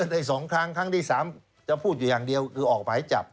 ได้๒ครั้งครั้งที่๓จะพูดอยู่อย่างเดียวคือออกหมายจับ